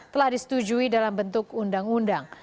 telah disetujui dalam bentuk undang undang